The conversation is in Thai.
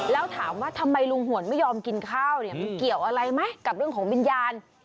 แล้วถามว่าทำไมลุงหวนไม่ยอมกินข้าวเนี่ยมันเกี่ยวอะไรไหมกับเรื่องของวิญญาณ